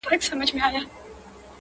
هر ماښام به رنگ په رنگ وه خوراكونه،